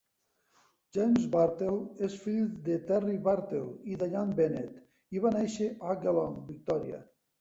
James Bartel és fill de Terry Bartel i Dianne Bennett i va néixer a Geelong, Victòria.